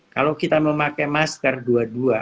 kalau kita memakai masker dua dua